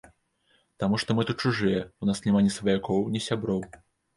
Таму што мы тут чужыя, у нас няма ні сваякоў, ні сяброў.